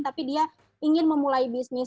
tapi dia ingin memulai bisnis